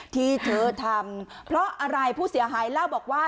ที่เธอทำเพราะอะไรผู้เสียหายเล่าบอกว่า